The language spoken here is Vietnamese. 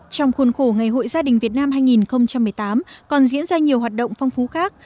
trong khuôn khổ ngày hội gia đình việt nam hai nghìn một mươi tám còn diễn ra nhiều hoạt động phong phú khác